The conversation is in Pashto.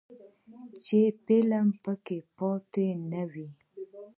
چې فلم پکې پاتې نه وي.